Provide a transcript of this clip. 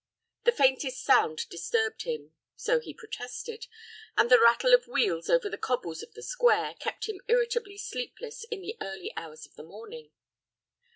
The faintest sound disturbed him, so he protested, and the rattle of wheels over the cobbles of the Square kept him irritably sleepless in the early hours of the morning.